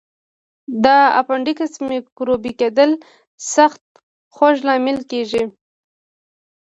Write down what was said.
د اپنډکس میکروبي کېدل سخت خوږ لامل کېږي.